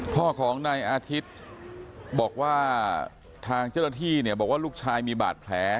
พ่อของนายอาทิตย์บอกว่าทางเจ้าหน้าที่เนี่ยบอกว่าลูกชายมีบาดแผล